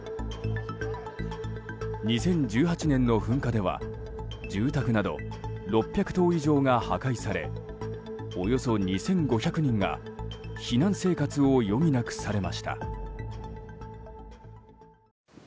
２０１８年の噴火では住宅など６００棟以上が破壊されおよそ２５００人が避難生活を余儀なくされました。